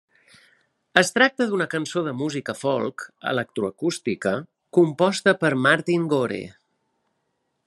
Es tracta d'una cançó de música folk electroacústica composta per Martin Gore.